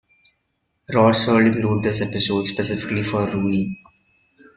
Rod Serling wrote this episode specifically for Rooney.